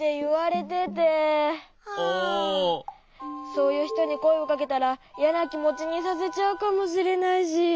そういうひとにこえをかけたらいやなきもちにさせちゃうかもしれないし。